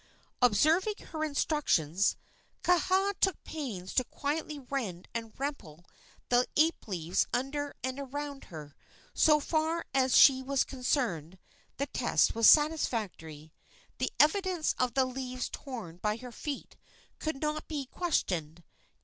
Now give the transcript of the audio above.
Observing her instructions, Kaha took pains to quietly rend and rumple the ape leaves under and around her. So far as she was concerned, the test was satisfactory. The evidence of the leaves torn by her feet could not be questioned.